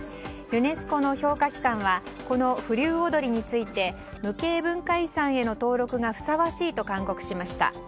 ユネスコの評価機関はこの風流踊について無形文化遺産への登録がふさわしいと勧告しました。